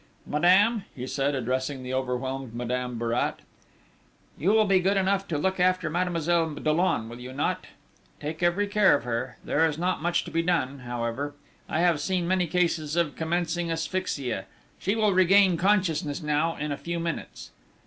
"Madame," he said, addressing the overwhelmed Madame Bourrat, "you will be good enough to look after Mademoiselle Dollon, will you not?... Take every care of her. There is not much to be done, however! I have seen many cases of commencing asphyxia: she will regain consciousness now, in a few minutes."